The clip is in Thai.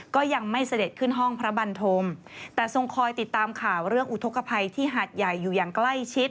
ก็ยังไม่เสด็จขึ้นห้องพระบันธมแต่ทรงคอยติดตามข่าวเรื่องอุทธกภัยที่หาดใหญ่อยู่อย่างใกล้ชิด